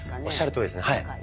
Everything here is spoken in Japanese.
おっしゃるとおりですねはい。